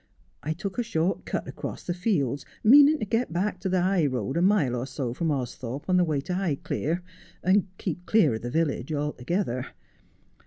I took a short cut across the fields, meanin' to get back to the high road a mile or so from Austhorpe on the way to Highclere, and keep clear of the village altogether.